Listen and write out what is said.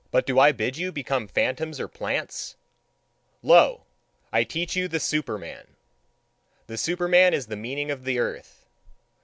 But do I bid you become phantoms or plants? Lo, I teach you the Superman! The Superman is the meaning of the earth.